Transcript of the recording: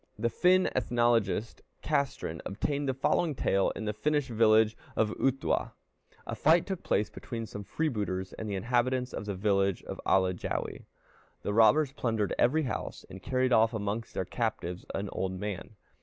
The Finn ethnologist Castrén obtained the following tale in the Finnish village of Uhtuwa: A fight took place between some freebooters and the inhabitants of the village of Alajäwi. The robbers plundered every house, and carried off amongst their captives an old man.